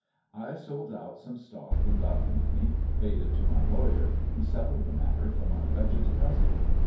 " I sold out some stock and got the money — paid it to my lawyer, who settled the matter for my wretched cousin.